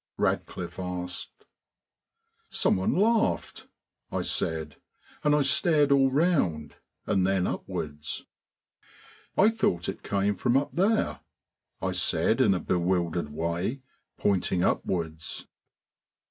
Radcliffe asked. "Someone laughed," I said, and I stared all round and then upwards. "I thought it came from up there," I said in a bewildered way, pointing upwards.